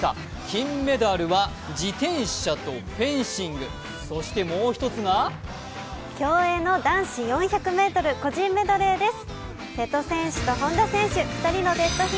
金メダルは自転車とフェンシング、そしてもう一つが競泳の男子４００ｍ個人メドレーです。